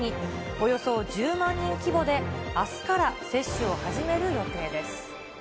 およそ１０万人規模であすから接種を始める予定です。